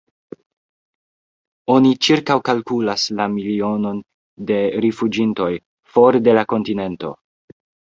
Oni ĉirkaŭkalkulas la milionon de rifuĝintoj for de la kontinento.